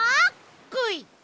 こい。